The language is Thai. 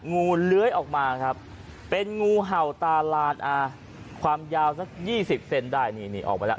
งูเล้ยออกมาครับเป็นงูเห่าตาลาดอ่ะความยาวสัก๒๐เซนต์ได้นี่ออกมาแล้ว